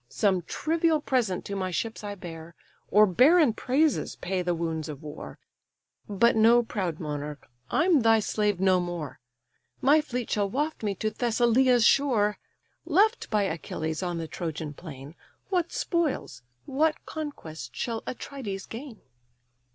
Some trivial present to my ships I bear: Or barren praises pay the wounds of war. But know, proud monarch, I'm thy slave no more; My fleet shall waft me to Thessalia's shore: Left by Achilles on the Trojan plain, What spoils, what conquests, shall Atrides gain?"